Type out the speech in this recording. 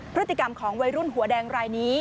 พฤติกรรมของวัยรุ่นหัวแดงรายนี้